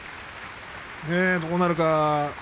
どうなるか。